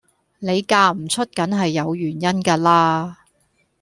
你嫁唔出梗係有原因㗎啦